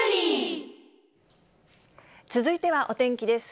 続いてはお天気です。